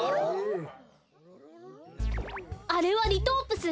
あれはリトープス！